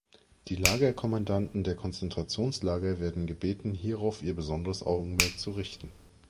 Die Lagerkommandanten der Konzentrationslager werden gebeten, hierauf ihr besonderes Augenmerk zu richten.